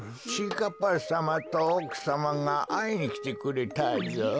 かっぱさまとおくさまがあいにきてくれたぞ。